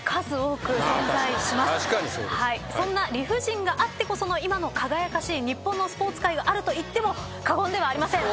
そんな理不尽があってこその今の輝かしい日本のスポーツ界があると言っても過言ではありません。